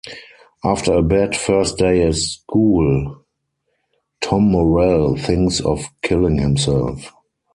After a bad first day a school, Tom Morell thinks of killing himself.